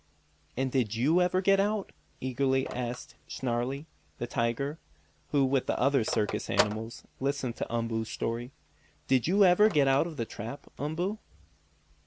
"And did you ever get out?" eagerly asked Snarlie, the tiger, who, with the other circus animals, listened to Umboo's story. "Did you ever get out of the trap, Umboo?"